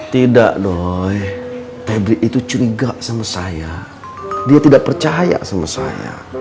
tidak doy febri itu curiga sama saya dia tidak percaya sama saya